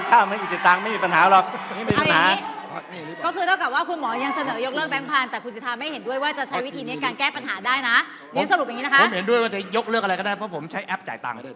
ผมเห็นด้วยว่าจะยกเลือกอะไรก็ได้เพราะผมใช้แอปจ่ายตังค์